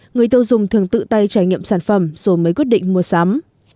người tiêu dùng thường tự tay trải nghiệm sản phẩm rồi mới quyết định mua sắm